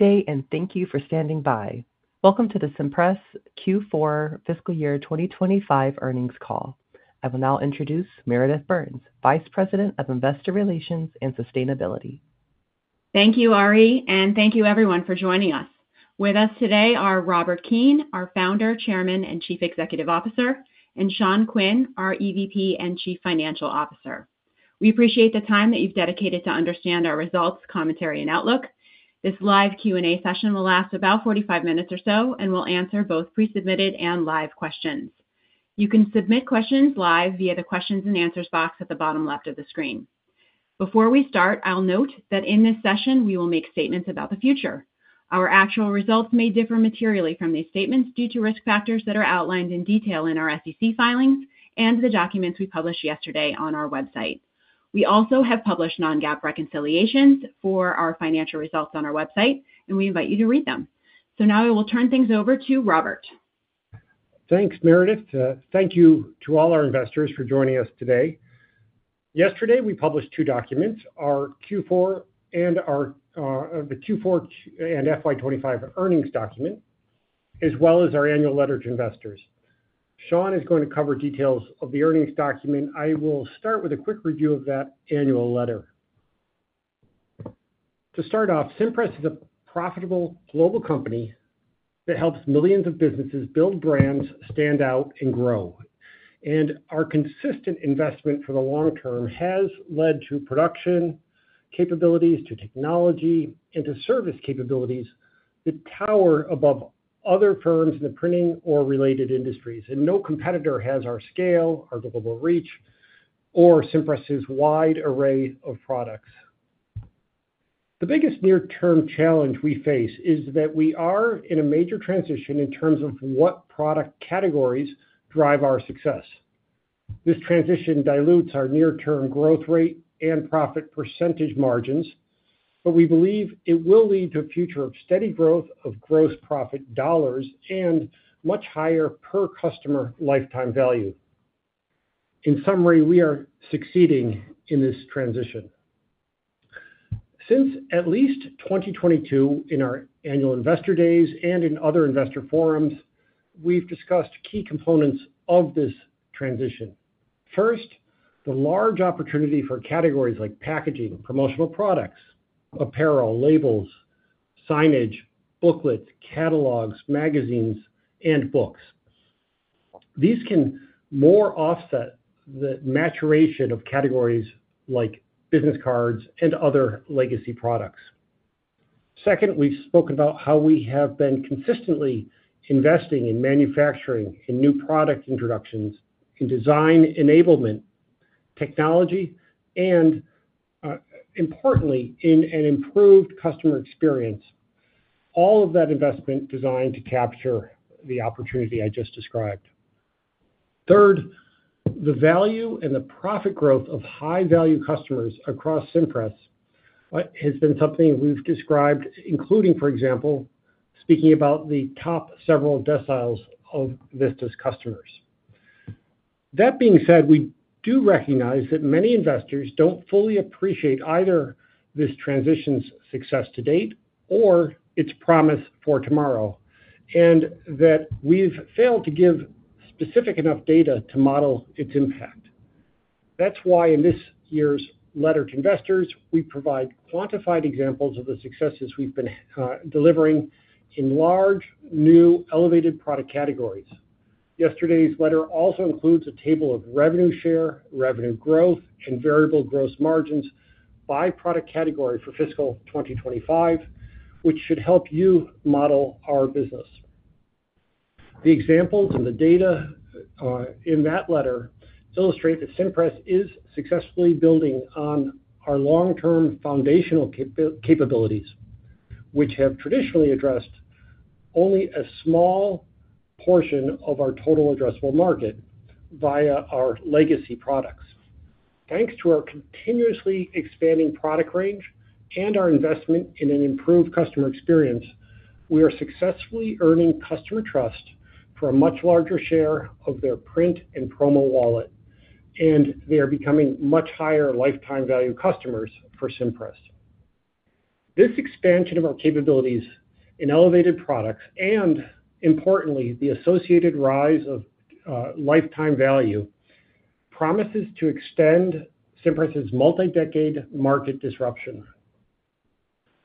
Today, thank you for standing by. Welcome to the Cimpress Q4 Fiscal Year 2025 earnings call. I will now introduce Meredith Burns, Vice President of Investor Relations and Sustainability. Thank you, Ari, and thank you everyone for joining us. With us today are Robert Keane, our Founder, Chairman, and Chief Executive Officer, and Sean Quinn, our EVP and Chief Financial Officer. We appreciate the time that you've dedicated to understand our results, commentary, and outlook. This live Q&A session will last about 45 minutes or so, and we'll answer both pre-submitted and live questions. You can submit questions live via the questions and answers box at the bottom left of the screen. Before we start, I'll note that in this session, we will make statements about the future. Our actual results may differ materially from these statements due to risk factors that are outlined in detail in our SEC filings and the documents we published yesterday on our website. We also have published non-GAAP reconciliations for our financial results on our website, and we invite you to read them. I will turn things over to Robert. Thanks, Meredith. Thank you to all our investors for joining us today. Yesterday, we published two documents, our Q4 and FY 2025 earnings document, as well as our annual letter to investors. Sean is going to cover details of the earnings document. I will start with a quick review of that annual letter. To start off, Cimpress is a profitable global company that helps millions of businesses build brands, stand out, and grow. Our consistent investment for the long term has led to production capabilities, technology, and service capabilities that tower above other firms in the printing or related industries. No competitor has our scale, our global reach, or Cimpress's wide array of products. The biggest near-term challenge we face is that we are in a major transition in terms of what product categories drive our success. This transition dilutes our near-term growth rate and profit percentage margins, but we believe it will lead to a future of steady growth of gross profit dollars and much higher per customer lifetime value. In summary, we are succeeding in this transition. Since at least 2022, in our annual investor days and in other investor forums, we've discussed key components of this transition. First, the large opportunity for categories like packaging, promotional products, apparel, labels, signage, booklets, catalogs, magazines, and books. These can more than offset the maturation of categories like business cards and other legacy products. Second, we've spoken about how we have been consistently investing in manufacturing, new product introductions, design enablement, technology, and importantly, in an improved customer experience. All of that investment is designed to capture the opportunity I just described. Third, the value and the profit growth of high-value customers across Cimpress has been something we've described, including, for example, speaking about the top several deciles of Vista's customers. That being said, we do recognize that many investors don't fully appreciate either this transition's success to date or its promise for tomorrow, and that we've failed to give specific enough data to model its impact. That's why in this year's letter to investors, we provide quantified examples of the successes we've been delivering in large, new, elevated product categories. Yesterday's letter also includes a table of revenue share, revenue growth, and variable gross margins by product category for fiscal 2025, which should help you model our business. The examples and the data in that letter illustrate that Cimpress is successfully building on our long-term foundational capabilities, which have traditionally addressed only a small portion of our total addressable market via our legacy products. Thanks to our continuously expanding product range and our investment in an improved customer experience, we are successfully earning customer trust for a much larger share of their print and promo wallet, and they are becoming much higher lifetime value customers for Cimpress. This expansion of our capabilities in elevated products and, importantly, the associated rise of lifetime value promises to extend Cimpress's multi-decade market disruption.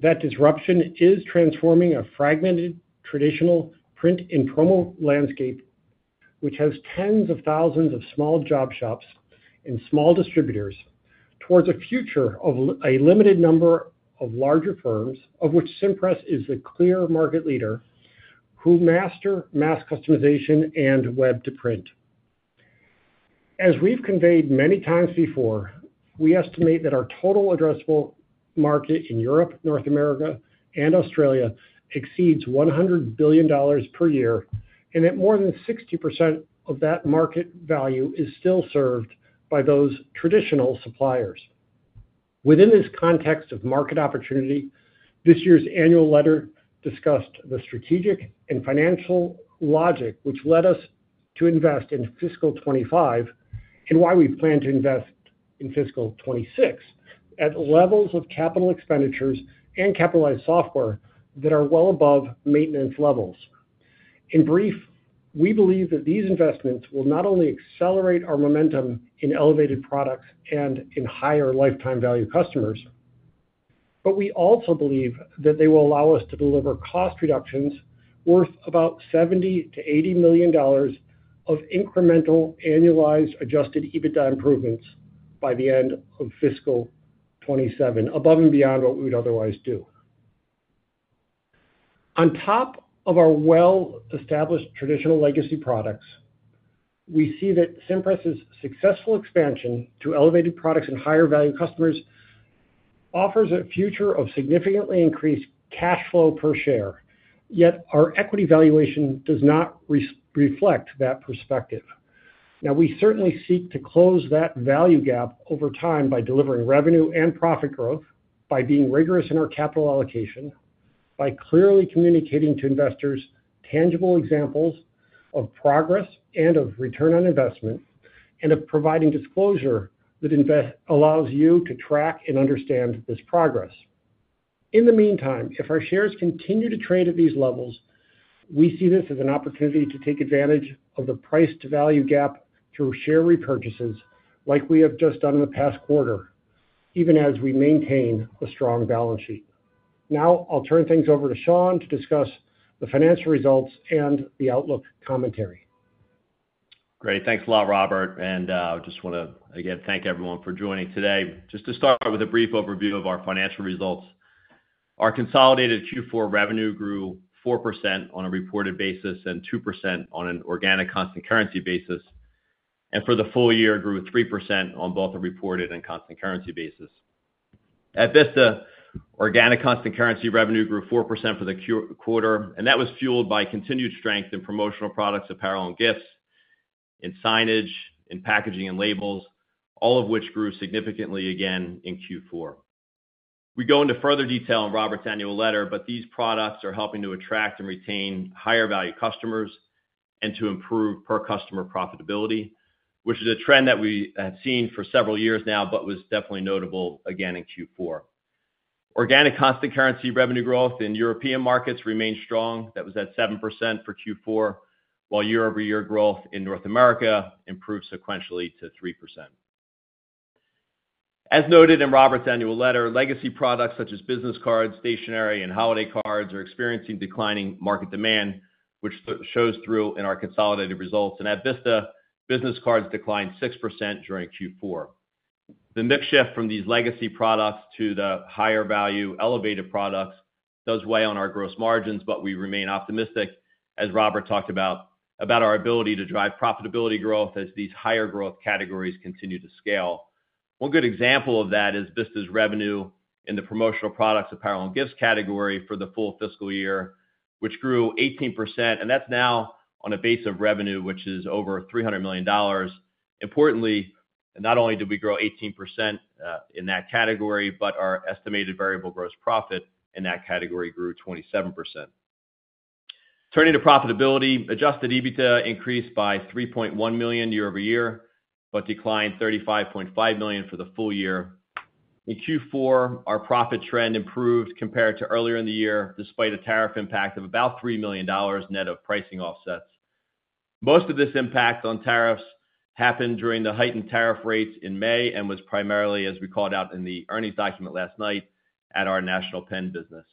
That disruption is transforming a fragmented, traditional print and promo landscape, which has tens of thousands of small job shops and small distributors, towards a future of a limited number of larger firms, of which Cimpress is the clear market leader, who master mass customization and web to print. As we've conveyed many times before, we estimate that our total addressable market in Europe, North America, and Australia exceeds $100 billion per year, and that more than 60% of that market value is still served by those traditional suppliers. Within this context of market opportunity, this year's annual letter discussed the strategic and financial logic which led us to invest in fiscal 2025 and why we plan to invest in fiscal 2026 at levels of capital expenditures and capitalized software that are well above maintenance levels. In brief, we believe that these investments will not only accelerate our momentum in elevated products and in higher lifetime value customers, but we also believe that they will allow us to deliver cost reductions worth about $70 million-$80 million of incremental annualized adjusted EBITDA improvements by the end of fiscal 2027, above and beyond what we would otherwise do. On top of our well-established traditional legacy products, we see that Cimpress's successful expansion to elevated products and higher value customers offers a future of significantly increased cash flow per share, yet our equity valuation does not reflect that perspective. Now, we certainly seek to close that value gap over time by delivering revenue and profit growth, by being rigorous in our capital allocation, by clearly communicating to investors tangible examples of progress and of return on investment, and of providing disclosure that allows you to track and understand this progress. In the meantime, if our shares continue to trade at these levels, we see this as an opportunity to take advantage of the price-to-value gap through share repurchases like we have just done in the past quarter, even as we maintain a strong balance sheet. Now, I'll turn things over to Sean to discuss the financial results and the outlook commentary. Great, thanks a lot, Robert. I just want to, again, thank everyone for joining today. Just to start with a brief overview of our financial results, our consolidated Q4 revenue grew 4% on a reported basis and 2% on an organic constant currency basis, and for the full year, it grew 3% on both a reported and constant currency basis. At Vista, organic constant currency revenue grew 4% for the quarter, and that was fueled by continued strength in promotional products, apparel, and gifts, in signage, in packaging, and labels, all of which grew significantly again in Q4. We go into further detail in Robert's annual letter, but these products are helping to attract and retain higher value customers and to improve per customer profitability, which is a trend that we have seen for several years now, but was definitely notable again in Q4. Organic constant currency revenue growth in European markets remains strong. That was at 7% for Q4, while year-over-year growth in North America improved sequentially to 3%. As noted in Robert's annual letter, legacy products such as business cards, stationery, and holiday cards are experiencing declining market demand, which shows through in our consolidated results. At Vista, business cards declined 6% during Q4. The next shift from these legacy products to the higher value elevated products does weigh on our gross margins, but we remain optimistic, as Robert talked about, about our ability to drive profitability growth as these higher growth categories continue to scale. One good example of that is Vista's revenue in the promotional products, apparel, and gifts category for the full fiscal year, which grew 18%, and that's now on a base of revenue which is over $300 million. Importantly, not only did we grow 18% in that category, but our estimated variable gross profit in that category grew 27%. Turning to profitability, adjusted EBITDA increased by $3.1 million year-over-year, but declined $35.5 million for the full year. In Q4, our profit trend improved compared to earlier in the year, despite a tariff impact of about $3 million net of pricing offsets. Most of this impact on tariffs happened during the heightened tariff rates in May and was primarily, as we called out in the earnings document last night, at our National Pen business.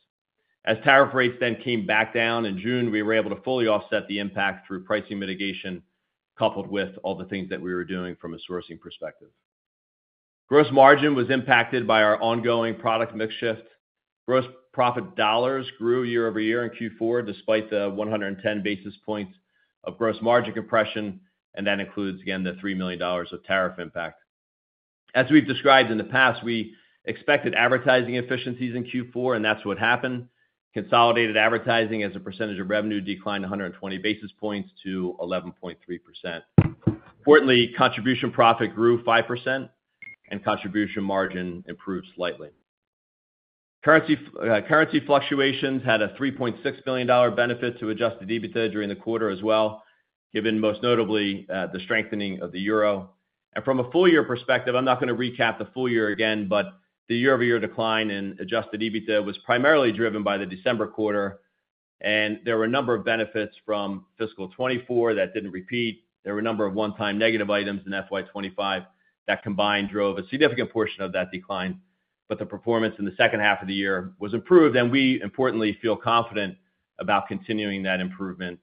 As tariff rates then came back down in June, we were able to fully offset the impact through pricing mitigation, coupled with all the things that we were doing from a sourcing perspective. Gross margin was impacted by our ongoing product mix shift. Gross profit dollars grew year-over-year in Q4, despite the 110 basis points of gross margin compression, and that includes, again, the $3 million of tariff impact. As we've described in the past, we expected advertising efficiencies in Q4, and that's what happened. Consolidated advertising as a percentage of revenue declined 120 basis points to 11.3%. Importantly, contribution profit grew 5%, and contribution margin improved slightly. Currency fluctuations had a $3.6 million benefit to adjusted EBITDA during the quarter as well, given most notably the strengthening of the euro. From a full year perspective, I'm not going to recap the full year again, but the year-over-year decline in adjusted EBITDA was primarily driven by the December quarter, and there were a number of benefits from fiscal 2024 that didn't repeat. There were a number of one-time negative items in FY 2025 that combined drove a significant portion of that decline, but the performance in the second half of the year was improved, and we importantly feel confident about continuing that improvement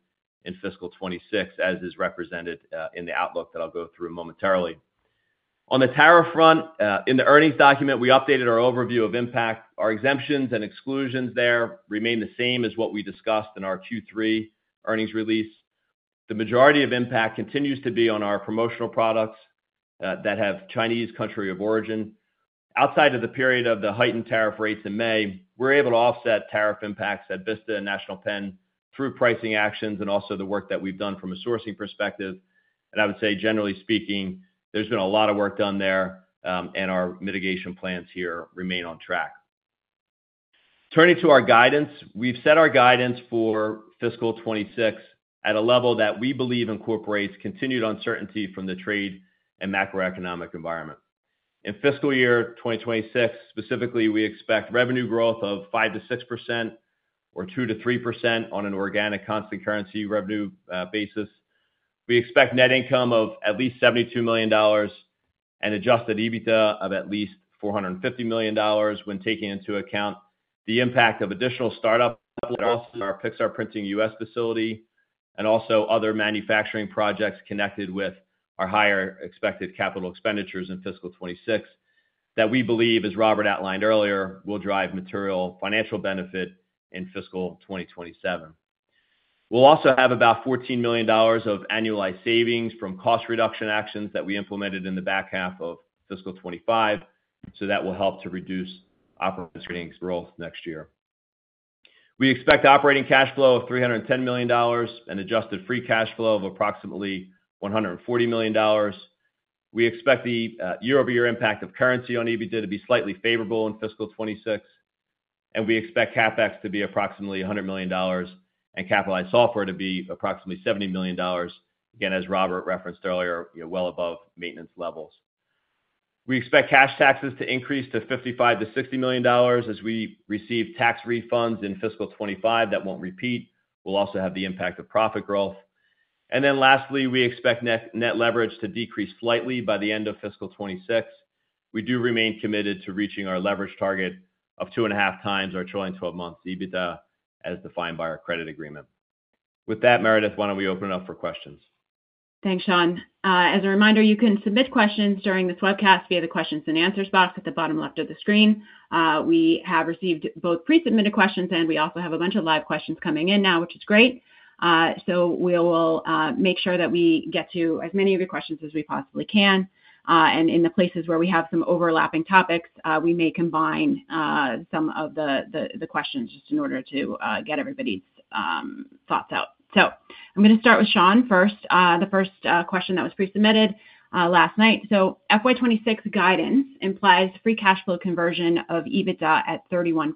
in fiscal 2026, as is represented in the outlook that I'll go through momentarily. On the tariff front, in the earnings document, we updated our overview of impact. Our exemptions and exclusions there remain the same as what we discussed in our Q3 earnings release. The majority of impact continues to be on our promotional products that have Chinese country of origin. Outside of the period of the heightened tariff rates in May, we're able to offset tariff impacts at Vista and National Pen through pricing actions and also the work that we've done from a sourcing perspective. I would say, generally speaking, there's been a lot of work done there, and our mitigation plans here remain on track. Turning to our guidance, we've set our guidance for fiscal 2026 at a level that we believe incorporates continued uncertainty from the trade and macroeconomic environment. In fiscal year 2026, specifically, we expect revenue growth of 5%-6% or 2%-3% on an organic constant currency revenue basis. We expect net income of at least $72 million and adjusted EBITDA of at least $450 million when taking into account the impact of additional startup flow to our Pixartprinting U.S. facility and also other manufacturing projects connected with our higher expected capital expenditures in fiscal 2026 that we believe, as Robert outlined earlier, will drive material financial benefit in fiscal 2027. We'll also have about $14 million of annualized savings from cost reduction actions that we implemented in the back half of fiscal 2025, so that will help to reduce operating risk growth next year. We expect operating cash flow of $310 million and adjusted free cash flow of approximately $140 million. We expect the year-over-year impact of currency on EBITDA to be slightly favorable in fiscal 2026, and we expect CapEx to be approximately $100 million and capitalized software to be approximately $70 million, again, as Robert referenced earlier, well above maintenance levels. We expect cash taxes to increase to $55 million-$60 million as we receive tax refunds in fiscal 2025 that won't repeat. We'll also have the impact of profit growth. Lastly, we expect net leverage to decrease slightly by the end of fiscal 2026. We do remain committed to reaching our leverage target of 2.5x our trailing 12-month EBITDA as defined by our credit agreement. With that, Meredith, why don't we open it up for questions? Thanks, Sean. As a reminder, you can submit questions during this webcast via the questions and answers box at the bottom left of the screen. We have received both pre-submitted questions, and we also have a bunch of live questions coming in now, which is great. We'll make sure that we get to as many of your questions as we possibly can. In the places where we have some overlapping topics, we may combine some of the questions just in order to get everybody's thoughts out. I'm going to start with Sean first, the first question that was pre-submitted last night. FY 2026 guidance implies free cash flow conversion of EBITDA at 31%.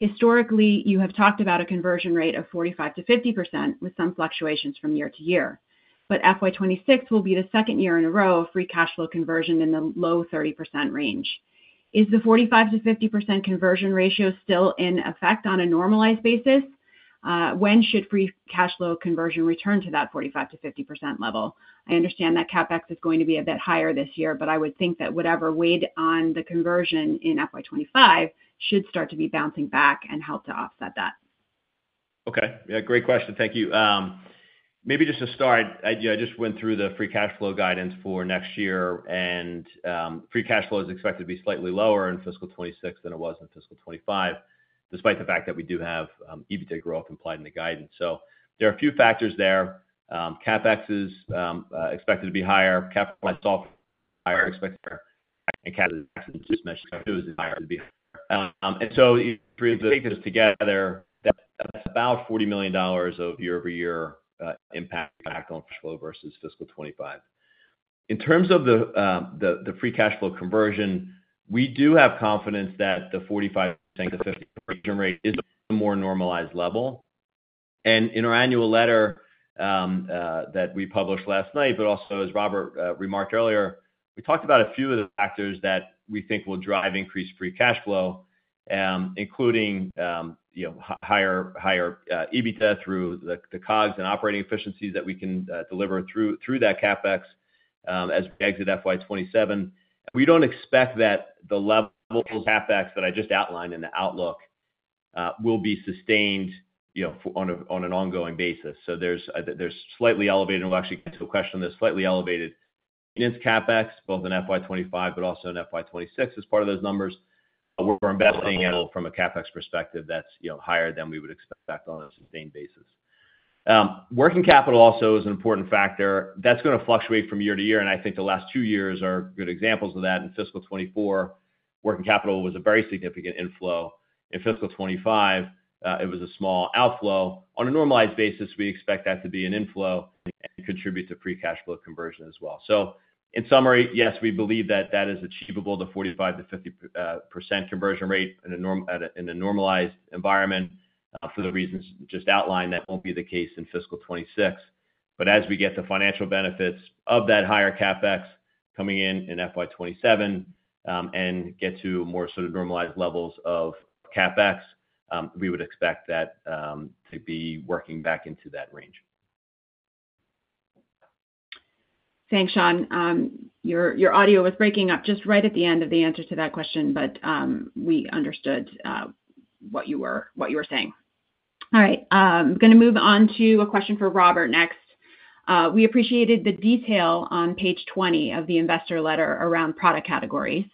Historically, you have talked about a conversion rate of 45%-50% with some fluctuations from year-to-year, but FY 2026 will be the second year in a row of free cash flow conversion in the low 30% range. Is the 45%-50% conversion ratio still in effect on a normalized basis? When should free cash flow conversion return to that 45%-50% level? I understand that CapEx is going to be a bit higher this year, but I would think that whatever weighed on the conversion in FY 2025 should start to be bouncing back and help to offset that. Okay. Yeah, great question. Thank you. Maybe just to start, I just went through the free cash flow guidance for next year, and free cash flow is expected to be slightly lower in fiscal 2026 than it was in fiscal 2025, despite the fact that we do have EBITDA growth implied in the guidance. There are a few factors there. CapEx is expected to be higher, capital expected to be higher, and CapEx is higher. If you bring those together, that's about $40 million of year-over-year impact on flow versus fiscal 2025. In terms of the free cash flow conversion, we do have confidence that the 45%-50% conversion rate is the more normalized level. In our annual letter that we published last night, but also as Robert remarked earlier, we talked about a few of the factors that we think will drive increased free cash flow, including higher EBITDA through the COGS and operating efficiencies that we can deliver through that CapEx as we exit FY 2027. We don't expect that the levels of CapEx that I just outlined in the outlook will be sustained on an ongoing basis. They're slightly elevated, and we'll actually get to a question on this, slightly elevated maintenance CapEx both in FY 2025 but also in FY 2026 as part of those numbers. We're investing from a CapEx perspective that's higher than we would expect on a sustained basis. Working capital also is an important factor. That's going to fluctuate from year-to-year, and I think the last two years are good examples of that. In fiscal 2024, working capital was a very significant inflow. In fiscal 2025, it was a small outflow. On a normalized basis, we expect that to be an inflow and contribute to free cash flow conversion as well. In summary, yes, we believe that that is achievable, the 45%-50% conversion rate in a normalized environment for the reasons just outlined. That won't be the case in fiscal 2026. As we get the financial benefits of that higher CapEx coming in in FY 2027 and get to more sort of normalized levels of CapEx, we would expect that to be working back into that range. Thanks, Sean. Your audio was breaking up just right at the end of the answer to that question, but we understood what you were saying. All right, I'm going to move on to a question for Robert next. We appreciated the detail on page 20 of the investor letter around product categories.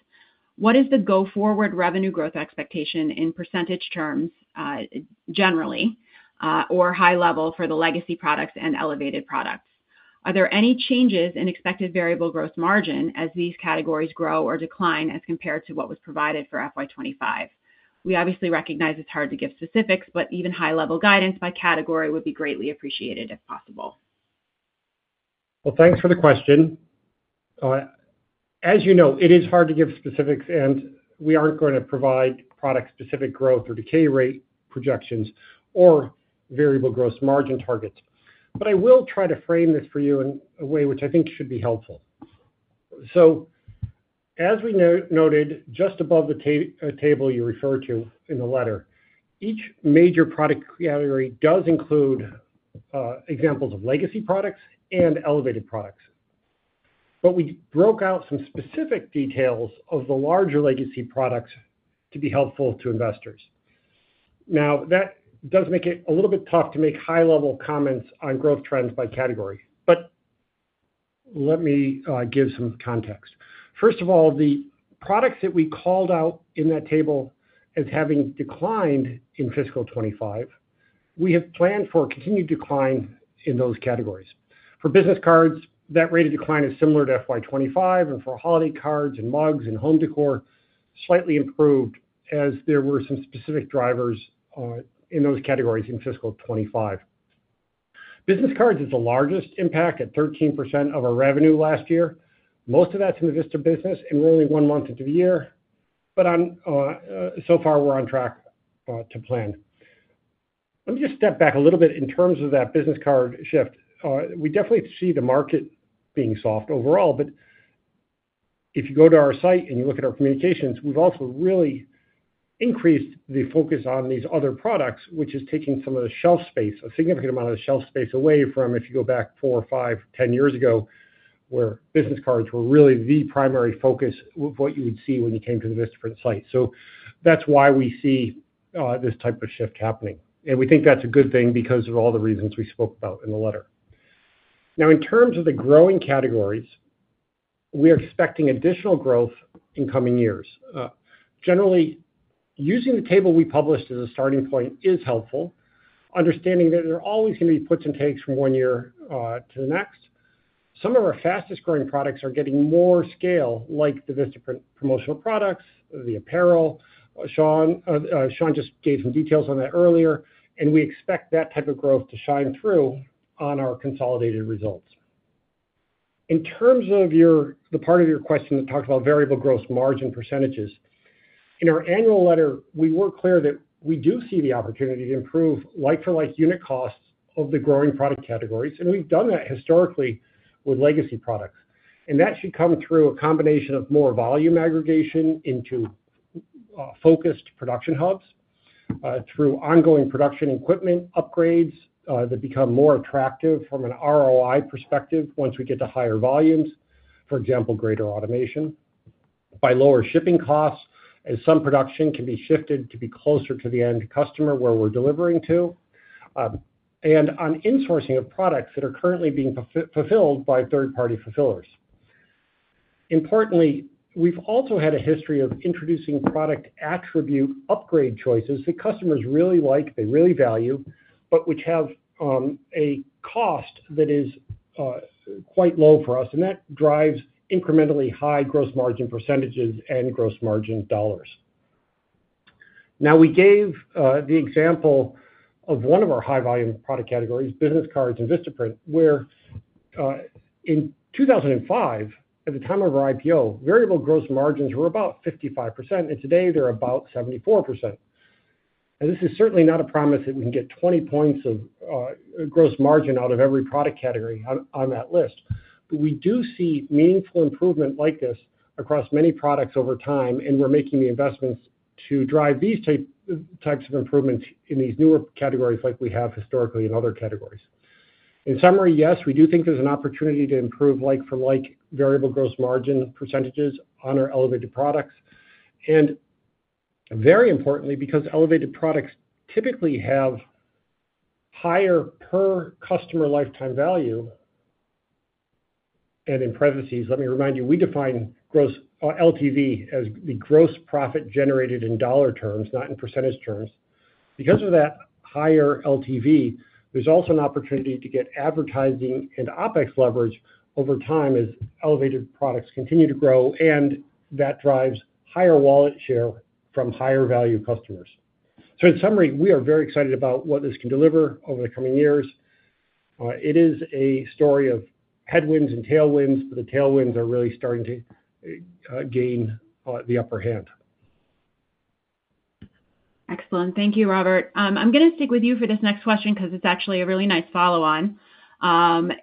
What is the go-forward revenue growth expectation in percentage terms, generally, or high level for the legacy products and elevated products? Are there any changes in expected variable gross margin as these categories grow or decline as compared to what was provided for FY 2025? We obviously recognize it's hard to give specifics, but even high-level guidance by category would be greatly appreciated if possible. Thank you for the question. As you know, it is hard to give specifics, and we are not going to provide product-specific growth or decay rate projections or variable gross margin targets. I will try to frame this for you in a way which I think should be helpful. As we noted just above the table you referred to in the letter, each major product category does include examples of legacy products and elevated products. We broke out some specific details of the larger legacy products to be helpful to investors. That does make it a little bit tough to make high-level comments on growth trends by category. Let me give some context. First of all, the products that we called out in that table as having declined in fiscal 2025, we have planned for a continued decline in those categories. For business cards, that rate of decline is similar to FY 2025, and for holiday cards and mugs and home decor, slightly improved as there were some specific drivers in those categories in fiscal 2025. Business cards is the largest impact at 13% of our revenue last year. Most of that is in the Vista business, and we are only one month into the year, but so far we are on track to plan. Let me just step back a little bit in terms of that business card shift. We definitely see the market being soft overall, but if you go to our site and you look at our communications, we have also really increased the focus on these other products, which is taking some of the shelf space, a significant amount of the shelf space away from if you go back four, five, 10 years ago, where business cards were really the primary focus of what you would see when you came to the Vistaprint site. That is why we see this type of shift happening. We think that is a good thing because of all the reasons we spoke about in the letter. In terms of the growing categories, we are expecting additional growth in coming years. Generally, using the table we published as a starting point is helpful, understanding that there are always going to be puts and takes from one year to the next. Some of our fastest growing products are getting more scale, like the Vistaprint promotional products, the apparel. Sean just gave some details on that earlier, and we expect that type of growth to shine through on our consolidated results. In terms of the part of your question that talked about variable gross margin percentages, in our annual letter, we were clear that we do see the opportunity to improve like-for-like unit costs of the growing product categories, and we've done that historically with legacy products. That should come through a combination of more volume aggregation into focused production hubs, through ongoing production equipment upgrades that become more attractive from an ROI perspective once we get to higher volumes, for example, greater automation, by lower shipping costs, as some production can be shifted to be closer to the end customer where we're delivering to, and on insourcing of products that are currently being fulfilled by third-party fulfillers. Importantly, we've also had a history of introducing product attribute upgrade choices that customers really like, they really value, but which have a cost that is quite low for us, and that drives incrementally high gross margin percentages and gross margin dollars. We gave the example of one of our high-volume product categories, business cards and Vistaprint, where in 2005, at the time of our IPO, variable gross margins were about 55%, and today they're about 74%. This is certainly not a promise that we can get 20 points of gross margin out of every product category on that list, but we do see meaningful improvement like this across many products over time, and we're making the investments to drive these types of improvements in these newer categories like we have historically in other categories. In summary, yes, we do think there's an opportunity to improve like-for-like variable gross margin percentages on our elevated products, and very importantly, because elevated products typically have higher per customer lifetime value. In parentheses, let me remind you, we define LTV as the gross profit generated in dollar terms, not in percentage terms. Because of that higher LTV, there's also an opportunity to get advertising and OpEx leverage over time as elevated products continue to grow, and that drives higher wallet share from higher value customers. In summary, we are very excited about what this can deliver over the coming years. It is a story of headwinds and tailwinds, but the tailwinds are really starting to gain the upper hand. Excellent. Thank you, Robert. I'm going to stick with you for this next question because it's actually a really nice follow-on.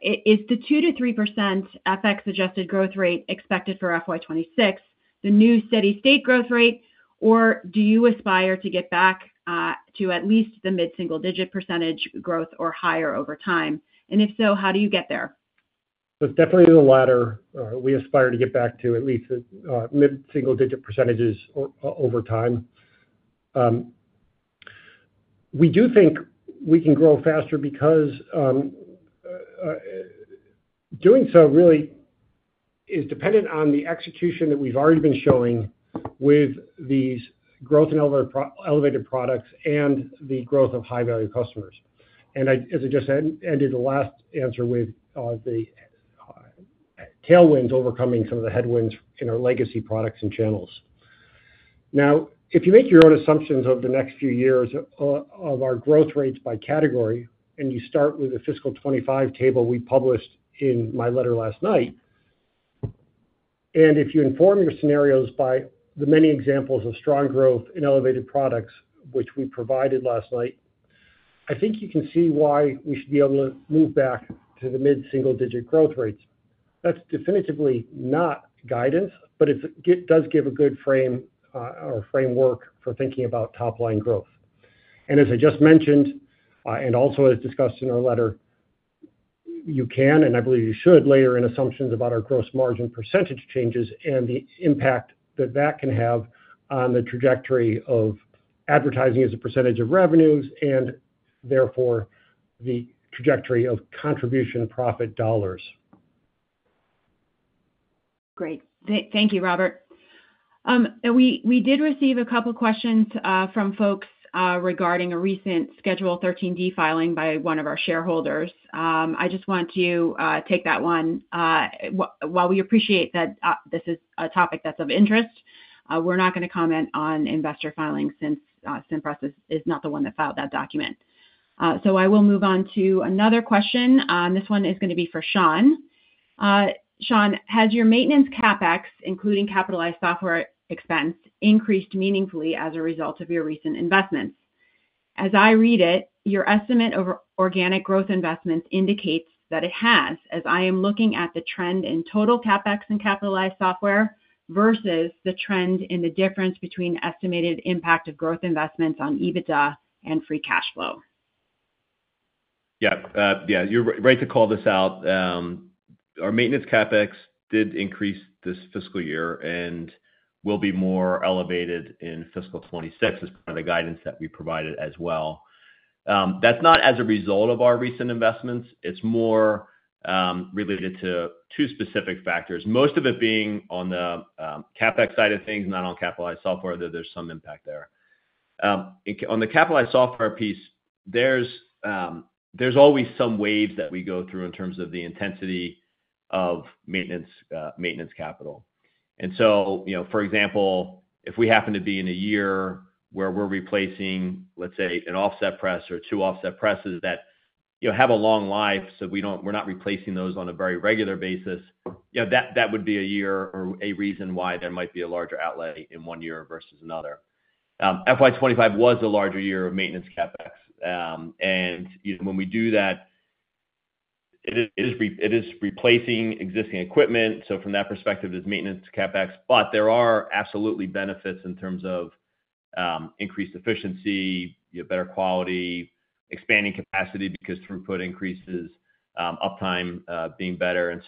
Is the 2%-3% FX adjusted growth rate expected for FY 2026 the new steady state growth rate, or do you aspire to get back to at least the mid-single-digit percentage growth or higher over time? If so, how do you get there? It's definitely the latter. We aspire to get back to at least mid-single-digit percentages over time. We do think we can grow faster because doing so really is dependent on the execution that we've already been showing with these growth in elevated products and the growth of high-value customers. As I just said, ended the last answer with the tailwinds overcoming some of the headwinds in our legacy products and channels. If you make your own assumptions over the next few years of our growth rates by category, and you start with the fiscal 2025 table we published in my letter last night, and if you inform your scenarios by the many examples of strong growth in elevated products, which we provided last night, I think you can see why we should be able to move back to the mid-single-digit growth rates. That's definitively not guidance, but it does give a good frame or framework for thinking about top-line growth. As I just mentioned, and also as discussed in our letter, you can, and I believe you should, layer in assumptions about our gross margin percentage changes and the impact that that can have on the trajectory of advertising as a percentage of revenues and therefore the trajectory of contribution profit dollars. Great. Thank you, Robert. We did receive a couple of questions from folks regarding a recent Schedule 13D filing by one of our shareholders. I just want to take that one. While we appreciate that this is a topic that's of interest, we're not going to comment on investor filing since Cimpress is not the one that filed that document. I will move on to another question. This one is going to be for Sean. Sean, has your maintenance CapEx, including capitalized software expense, increased meaningfully as a result of your recent investments? As I read it, your estimate over organic growth investments indicates that it has, as I am looking at the trend in total CapEx and capitalized software versus the trend in the difference between estimated impact of growth investments on EBITDA and free cash flow. Yeah. Yeah, you're right to call this out. Our maintenance CapEx did increase this fiscal year and will be more elevated in fiscal 2026 as part of the guidance that we provided as well. That's not as a result of our recent investments. It's more related to two specific factors, most of it being on the CapEx side of things, not on capitalized software, though there's some impact there. On the capitalized software piece, there's always some waves that we go through in terms of the intensity of maintenance capital. For example, if we happen to be in a year where we're replacing, let's say, an offset press or two offset presses that have a long life, so we're not replacing those on a very regular basis, that would be a year or a reason why there might be a larger outlay in one year versus another. FY 2025 was a larger year of maintenance CapEx. When we do that, it is replacing existing equipment. From that perspective, there's maintenance CapEx, but there are absolutely benefits in terms of increased efficiency, better quality, expanding capacity because throughput increases, uptime being better.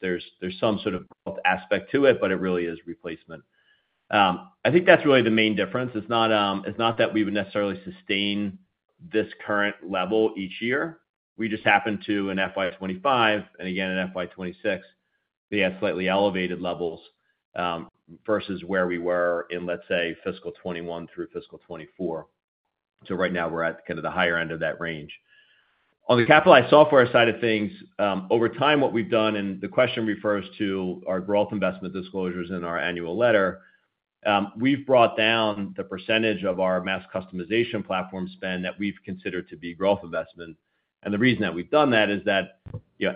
There's some sort of growth aspect to it, but it really is replacement. I think that's really the main difference. It's not that we would necessarily sustain this current level each year. We just happened to, in FY 2025 and again in FY 2026, we had slightly elevated levels versus where we were in, let's say, fiscal 2021 through fiscal 2024. Right now, we're at kind of the higher end of that range. On the capitalized software side of things, over time, what we've done, and the question refers to our growth investment disclosures in our annual letter, we've brought down the percentage of our mass customization platform spend that we've considered to be growth investment. The reason that we've done that is that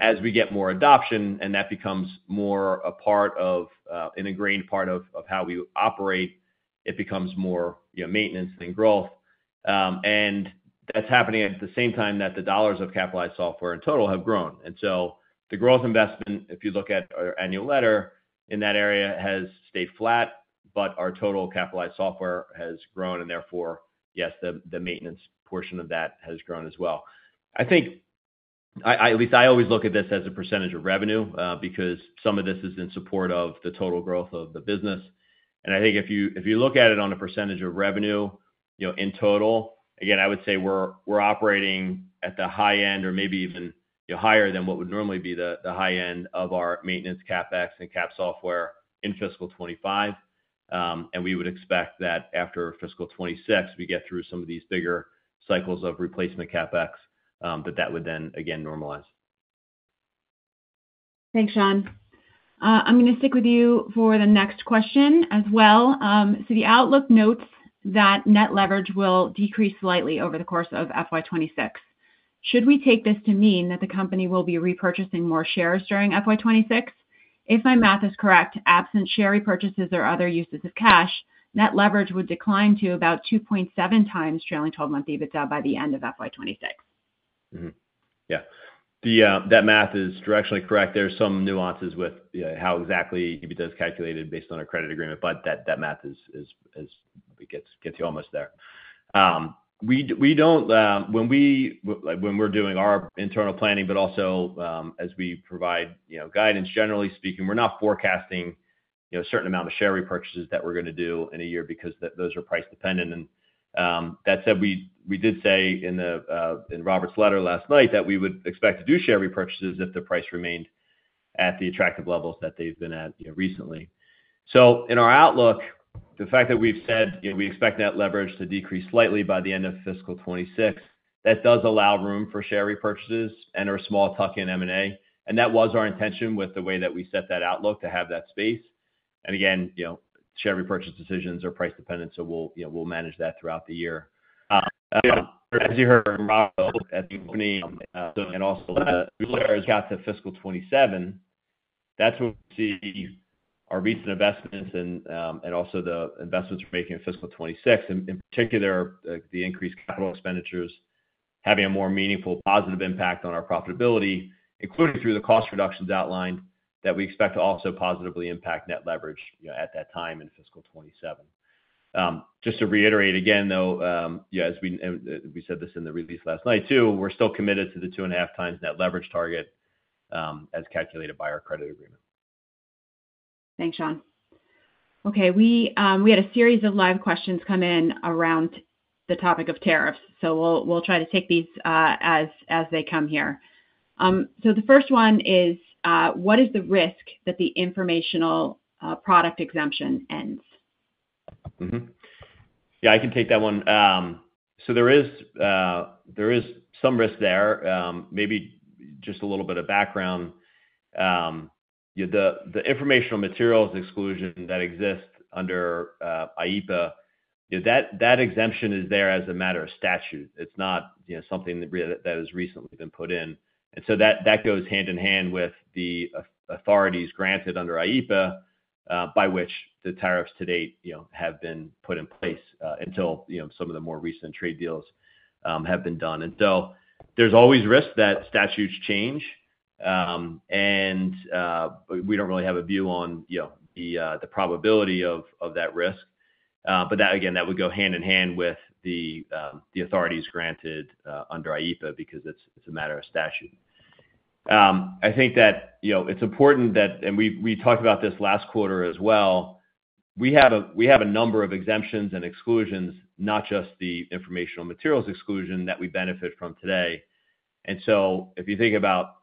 as we get more adoption and that becomes more a part of an ingrained part of how we operate, it becomes more maintenance than growth. That's happening at the same time that the dollars of capitalized software in total have grown. The growth investment, if you look at our annual letter in that area, has stayed flat, but our total capitalized software has grown, and therefore, yes, the maintenance portion of that has grown as well. I think at least I always look at this as a percentage of revenue because some of this is in support of the total growth of the business. I think if you look at it on a percentage of revenue in total, again, I would say we're operating at the high end or maybe even higher than what would normally be the high end of our maintenance CapEx and cap software in fiscal 2025. We would expect that after fiscal 2026, we get through some of these bigger cycles of replacement CapEx, that that would then again normalize. Thanks, Sean. I'm going to stick with you for the next question as well. The outlook notes that net leverage will decrease slightly over the course of FY 2026. Should we take this to mean that the company will be repurchasing more shares during FY 2026? If my math is correct, absent share repurchases or other uses of cash, net leverage would decline to about 2.7x trailing 12-month EBITDA by the end of FY 2026. Yeah. That math is directionally correct. There's some nuances with how exactly adjusted EBITDA is calculated based on our credit agreement, but that math gets you almost there. When we're doing our internal planning, but also as we provide guidance, generally speaking, we're not forecasting a certain amount of share repurchases that we're going to do in a year because those are price dependent. That said, we did say in Robert's letter last night that we would expect to do share repurchases if the price remained at the attractive levels that they've been at recently. In our outlook, the fact that we've said we expect net leverage to decrease slightly by the end of fiscal 2026, that does allow room for share repurchases and our small tuck-in M&A. That was our intention with the way that we set that outlook to have that space. Again, share repurchase decisions are price dependent, so we'll manage that throughout the year. As you heard from Robert at the company, and also we share in caps at fiscal 2027, that's where we see our recent investments and also the investments we're making at fiscal 2026, in particular, the increased capital expenditures having a more meaningful positive impact on our profitability, including through the cost reductions outlined that we expect to also positively impact net leverage at that time in fiscal 2027. Just to reiterate again, though, as we said this in the release last night too, we're still committed to the 2.5x net leverage target as calculated by our credit agreement. Thanks, Sean. Okay, we had a series of live questions come in around the topic of tariffs. We'll try to take these as they come here. The first one is, what is the risk that the informational product exemption ends? Yeah, I can take that one. There is some risk there. Maybe just a little bit of background. The informational materials exclusion that exists under IEEPA, that exemption is there as a matter of statute. It's not something that has recently been put in. That goes hand in hand with the authorities granted under IEEPA, by which the tariffs to date have been put in place until some of the more recent trade deals have been done. There is always risk that statutes change, and we don't really have a view on the probability of that risk. That would go hand in hand with the authorities granted under IEEPA because it's a matter of statute. I think that it's important that, and we talked about this last quarter as well, we have a number of exemptions and exclusions, not just the informational materials exclusion that we benefit from today. If you think about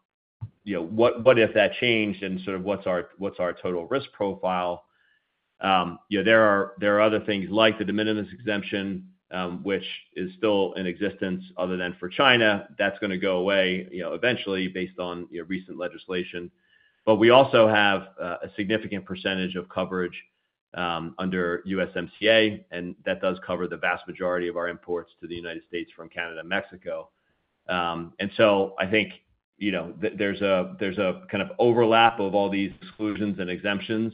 what if that changed and sort of what's our total risk profile, there are other things like the de minimis exemption, which is still in existence other than for China. That is going to go away eventually based on recent legislation. We also have a significant percentage of coverage under USMCA, and that does cover the vast majority of our imports to the United States from Canada and Mexico. I think there's a kind of overlap of all these exclusions and exemptions.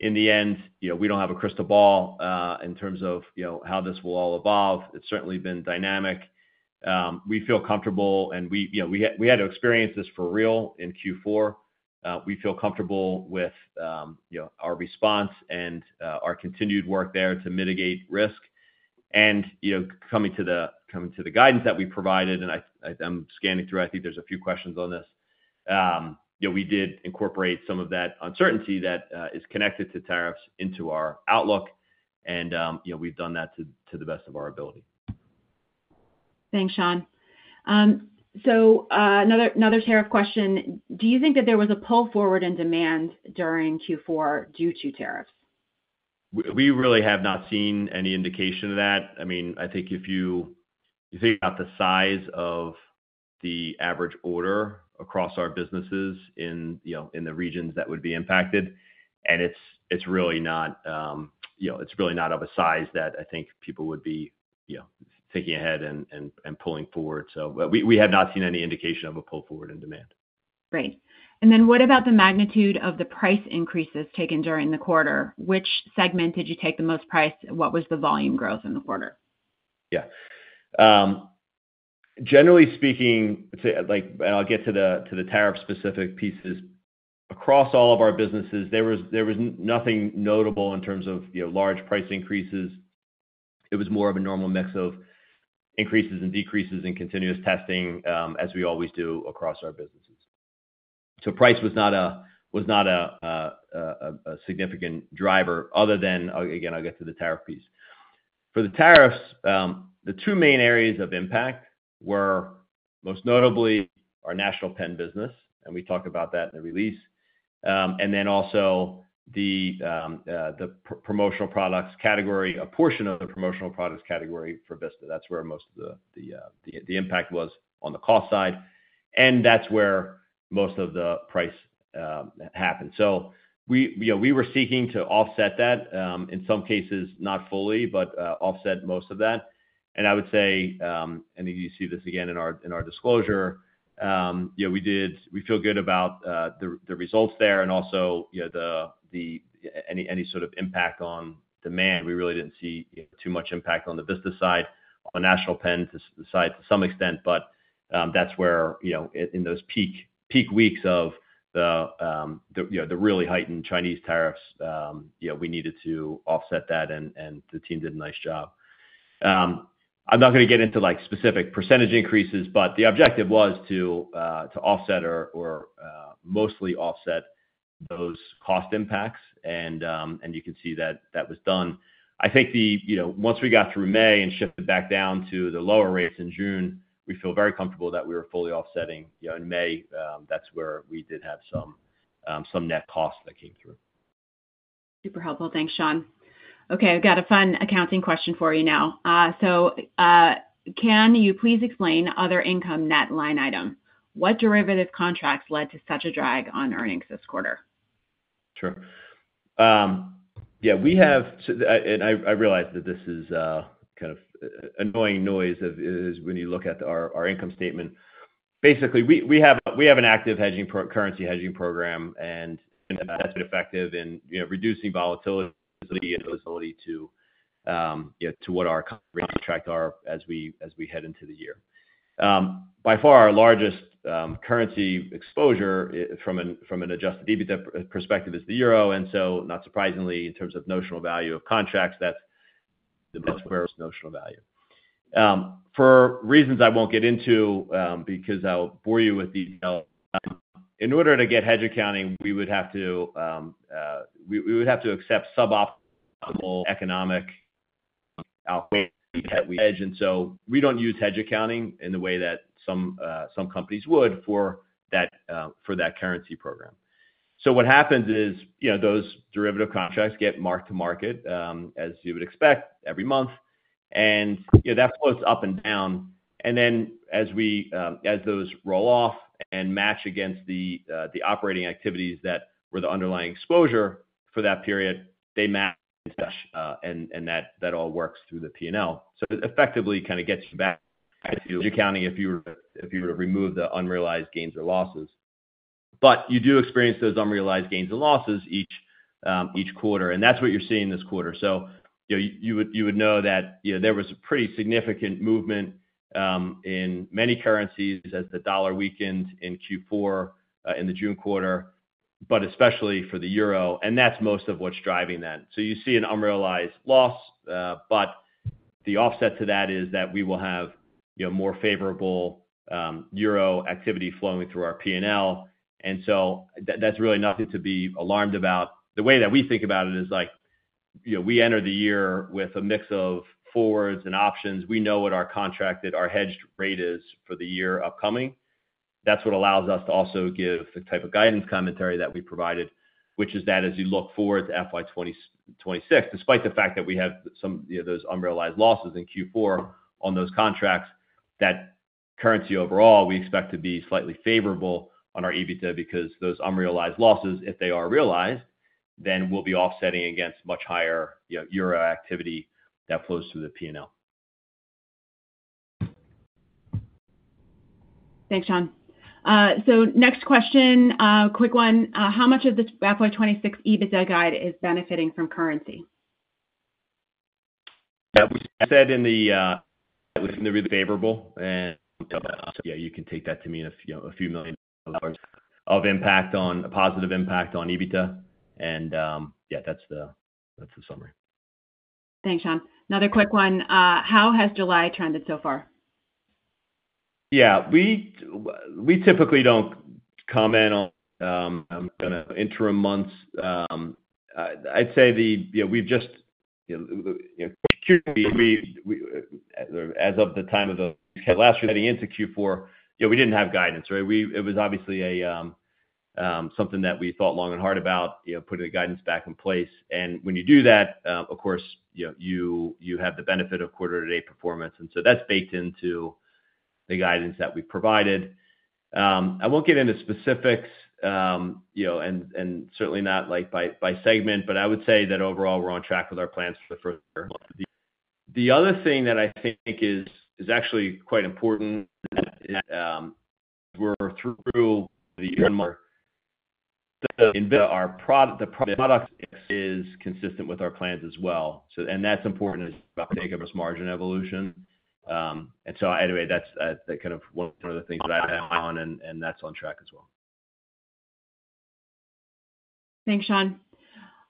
In the end, we don't have a crystal ball in terms of how this will all evolve. It's certainly been dynamic. We feel comfortable, and we had to experience this for real in Q4. We feel comfortable with our response and our continued work there to mitigate risk. Coming to the guidance that we provided, and I'm scanning through, I think there's a few questions on this, we did incorporate some of that uncertainty that is connected to tariffs into our outlook, and we've done that to the best of our ability. Thanks, Sean. Another tariff question. Do you think that there was a pull forward in demand during Q4 due to tariffs? We really have not seen any indication of that. I mean, I think if you think about the size of the average order across our businesses in the regions that would be impacted, it's really not of a size that I think people would be thinking ahead and pulling forward. We have not seen any indication of a pull forward in demand. Great. What about the magnitude of the price increases taken during the quarter? Which segment did you take the most price? What was the volume growth in the quarter? Yeah. Generally speaking, let's say, and I'll get to the tariff-specific pieces, across all of our businesses, there was nothing notable in terms of large price increases. It was more of a normal mix of increases and decreases and continuous testing, as we always do across our businesses. Price was not a significant driver other than, again, I'll get to the tariff piece. For the tariffs, the two main areas of impact were most notably our National Pen business, and we talked about that in the release, and then also the promotional products category, a portion of the promotional products category for Vista. That's where most of the impact was on the cost side, and that's where most of the price happened. We were seeking to offset that, in some cases not fully, but offset most of that. I would say, and you see this again in our disclosure, we feel good about the results there and also any sort of impact on demand. We really didn't see too much impact on the business side, on National Pen side to some extent, but that's where in those peak weeks of the really heightened Chinese tariffs, we needed to offset that, and the team did a nice job. I'm not going to get into specific percentage increases, but the objective was to offset or mostly offset those cost impacts, and you can see that that was done. I think once we got through May and shifted back down to the lower rates in June, we feel very comfortable that we were fully offsetting. In May, that's where we did have some net costs that came through. Super helpful. Thanks, Sean. Okay, I've got a fun accounting question for you now. Can you please explain other income net line item? What derivative contracts led to such a drag on earnings this quarter? Sure. Yeah, we have, and I realize that this is kind of annoying noise when you look at our income statement. Basically, we have an active currency hedging program, and that's been effective in reducing volatility and visibility to what our contracts are as we head into the year. By far, our largest currency exposure from an adjusted EBITDA perspective is the euro, and not surprisingly, in terms of notional value of contracts, that's the best squares notional value. For reasons I won't get into because I'll bore you with detail, in order to get hedge accounting, we would have to accept suboptimal economic output. We hedge, and we don't use hedge accounting in the way that some companies would for that currency program. What happens is those derivative contracts get marked to market, as you would expect, every month, and that flows up and down. As those roll off and match against the operating activities that were the underlying exposure for that period, they match the discussion, and that all works through the P&L. It effectively kind of gets you back to hedge accounting if you were to remove the unrealized gains or losses. You do experience those unrealized gains and losses each quarter, and that's what you're seeing this quarter. You would know that there was a pretty significant movement in many currencies as the dollar weakens in Q4 in the June quarter, especially for the euro, and that's most of what's driving that. You see an unrealized loss, but the offset to that is that we will have more favorable euro activity flowing through our P&L, and that's really nothing to be alarmed about. The way that we think about it is like we enter the year with a mix of forwards and options. We know what our contracted, our hedged rate is for the year upcoming. That's what allows us to also give the type of guidance commentary that we provided, which is that as you look forward to FY 2026, despite the fact that we have some of those unrealized losses in Q4 on those contracts, that currency overall we expect to be slightly favorable on our EBITDA because those unrealized losses, if they are realized, then we'll be offsetting against much higher euro activity that flows through the P&L. Thanks, Sean. Next question, a quick one. How much of this FY 2026 EBITDA guide is benefiting from currency? That's added in. It was going to be favorable, and you can take that to mean a few million dollars of impact, a positive impact on EBITDA, and yeah, that's the summary. Thanks, Sean. Another quick one. How has July trended so far? Yeah, we typically don't comment on kind of interim months. I'd say we've just, as of the time of the last year heading into Q4, we didn't have guidance, right? It was obviously something that we thought long and hard about, putting the guidance back in place. When you do that, of course, you have the benefit of quarter-to-date performance, and that's baked into the guidance that we provided. I won't get into specifics, and certainly not like by segment, but I would say that overall we're on track with our plans for the first quarter. The other thing that I think is actually quite important is we're through the earmarked inventory. Our product is consistent with our plans as well, and that's important as we think about Jacob's margin evolution. Anyway, that's kind of one of the things that I have an eye on, and that's on track as well. Thanks, Sean.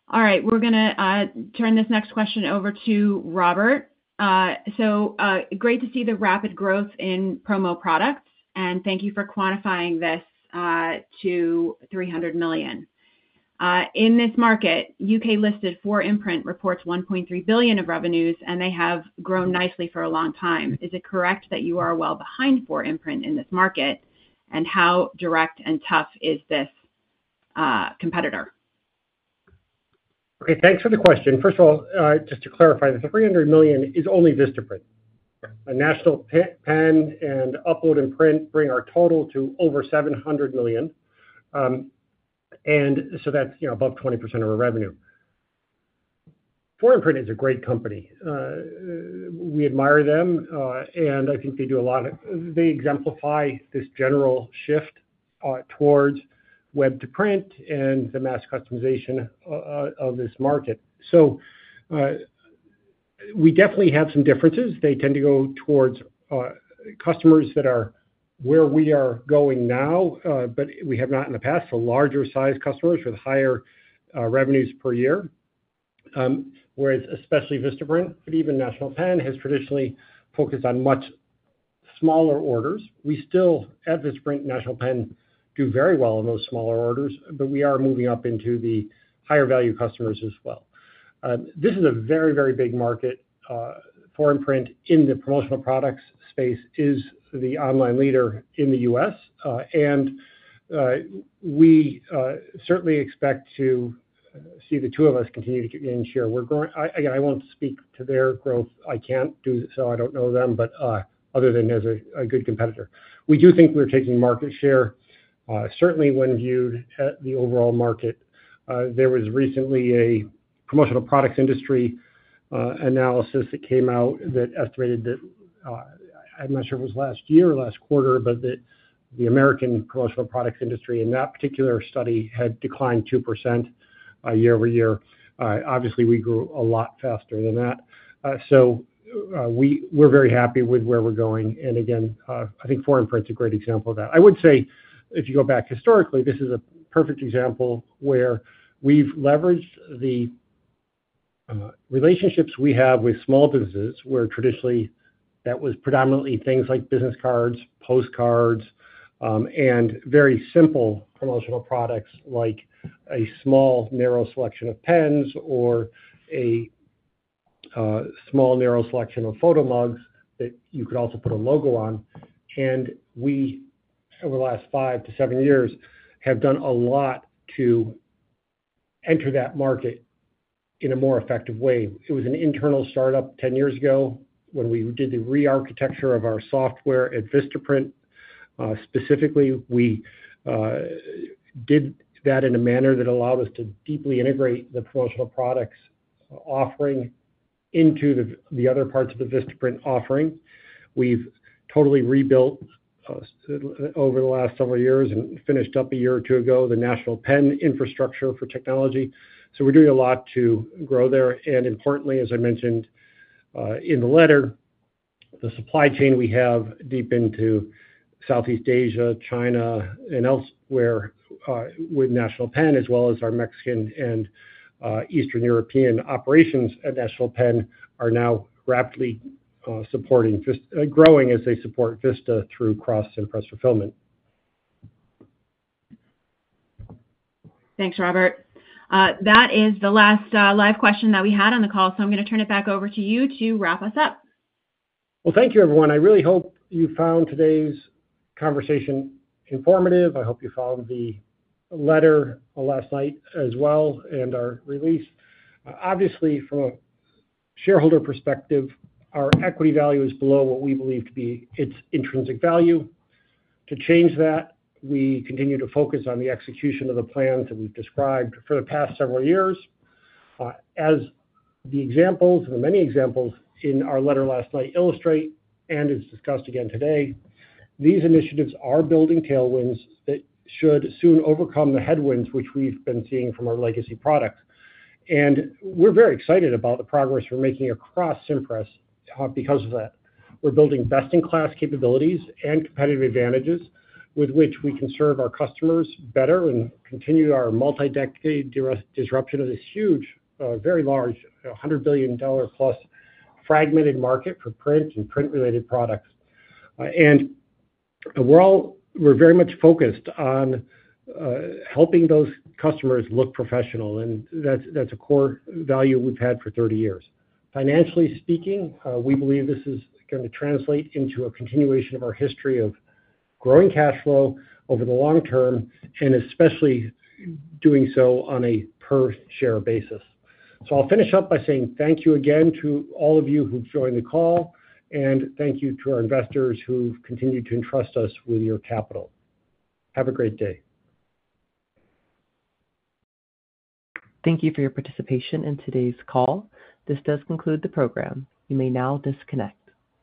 All right, we are going to turn this next question over to Robert. Great to see the rapid growth in promo products, and thank you for quantifying this to $300 million. In this market, U.K.-listed 4imprint reports $1.3 billion of revenues, and they have grown nicely for a long time. Is it correct that you are well behind 4imprint in this market, and how direct and tough is this competitor? Okay, thanks for the question. First of all, just to clarify that the $300 million is only Vistaprint. National Pen and Upload & Print bring our total to over $700 million, and so that's above 20% of our revenue. 4imprint is a great company. We admire them, and I think they do a lot of, they exemplify this general shift towards web-to-print and the mass customization of this market. We definitely have some differences. They tend to go towards customers that are where we are going now, but we have not in the past had larger size customers with higher revenues per year, whereas especially Vistaprint, but even National Pen has traditionally focused on much smaller orders. We still, at Vistaprint and National Pen, do very well on those smaller orders, but we are moving up into the higher value customers as well. This is a very, very big market. 4imprint in the promotional products space is the online leader in the U.S., and we certainly expect to see the two of us continue to gain share. I won't speak to their growth. I can't do it, so I don't know them, but other than as a good competitor. We do think we're taking market share, certainly when viewed at the overall market. There was recently a promotional products industry analysis that came out that estimated that, I'm not sure if it was last year or last quarter, but that the American promotional products industry in that particular study had declined 2% year-over-year. Obviously, we grew a lot faster than that. We're very happy with where we're going, and I think 4imprint is a great example of that. If you go back historically, this is a perfect example where we've leveraged the relationships we have with small businesses where traditionally that was predominantly things like business cards, postcards, and very simple promotional products like a small narrow selection of pens or a small narrow selection of photo mugs that you could also put a logo on. We, over the last five to seven years, have done a lot to enter that market in a more effective way. It was an internal startup 10 years ago when we did the re-architecture of our software at Vistaprint. Specifically, we did that in a manner that allowed us to deeply integrate the promotional products offering into the other parts of the Vistaprint offering. We've totally rebuilt over the last several years and finished up a year or two ago the National Pen infrastructure for technology. We're doing a lot to grow there. Importantly, as I mentioned in the letter, the supply chain we have deep into Southeast Asia, China, and elsewhere with National Pen, as well as our Mexican and Eastern European operations at National Pen, are now rapidly growing as they support Vista through cross-Cimpress fulfillment. Thanks, Robert. That is the last live question that we had on the call. I'm going to turn it back over to you to wrap us up. Thank you, everyone. I really hope you found today's conversation informative. I hope you found the letter last night as well and our release. Obviously, from a shareholder perspective, our equity value is below what we believe to be its intrinsic value. To change that, we continue to focus on the execution of the plans that we've described for the past several years. As the examples and the many examples in our letter last night illustrate, and as discussed again today, these initiatives are building tailwinds that should soon overcome the headwinds which we've been seeing from our legacy products. We are very excited about the progress we're making across Cimpress because of that. We're building best-in-class capabilities and competitive advantages with which we can serve our customers better and continue our multi-decade disruption of this huge, very large, $100 billion+ fragmented market for print and print-related products. We are very much focused on helping those customers look professional, and that's a core value we've had for 30 years. Financially speaking, we believe this is going to translate into a continuation of our history of growing cash flow over the long term and especially doing so on a per-share basis. I'll finish up by saying thank you again to all of you who've joined the call, and thank you to our investors who've continued to entrust us with your capital. Have a great day. Thank you for your participation in today's call. This does conclude the program. You may now disconnect.